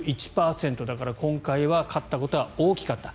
だから、今回勝ったことは大きかった。